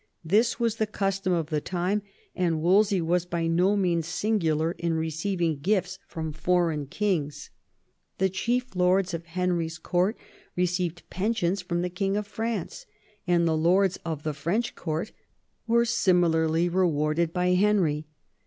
This was the custom of the time ; and Wolsey was by no means singular in receiving gifts from foreign kings. IV THE FIELD OP THE CLOTH OF GOLD 69 The chief lords of Henry's Court received pensions from the Bling of France; and the lords of the French Court were similarly rewarded by Henry.